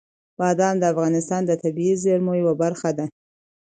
بادام د افغانستان د طبیعي زیرمو یوه برخه ده.